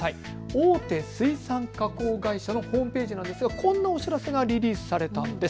大手水産加工会社のホームページなんですが、こんなお知らせがリリースされたんです。